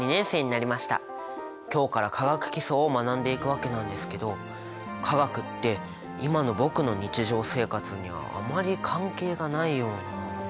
今日から化学基礎を学んでいくわけなんですけど化学って今の僕の日常生活にはあまり関係がないような。